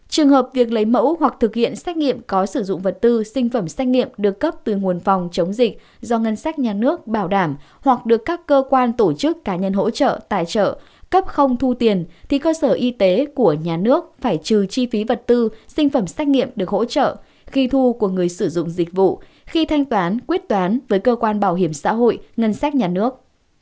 trường hợp việc lấy mẫu hoặc thực hiện xét nghiệm có sử dụng vật tư sinh phẩm xét nghiệm được cấp từ nguồn phòng chống dịch do ngân sách nhà nước bảo đảm hoặc được các cơ quan tổ chức cá nhân hỗ trợ tài trợ cấp không thu tiền thì cơ sở y tế của nhà nước phải trừ chi phí vật tư sinh phẩm xét nghiệm được hỗ trợ khi thu của người sử dụng dịch vụ khi thanh toán quyết toán với cơ quan bảo hiểm xã hội ngân sách nhà nước